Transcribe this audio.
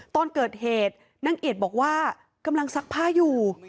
ตอนเกิดเหตุนางเอียดบอกว่ากำลังซักผ้าอยู่